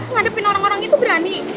ngadepin orang orang itu berani